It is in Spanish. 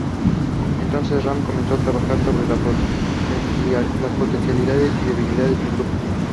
Entonces, Ram comenzó a trabajar sobre las potencialidades y debilidades del grupo.